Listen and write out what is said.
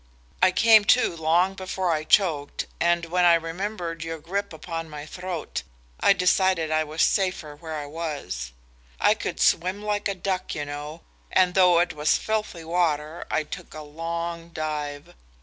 I came to long before I choked, and when I remembered your grip upon my throat, I decided I was safer where I was. I could swim like a duck, you know, and though it was filthy water I took a long dive.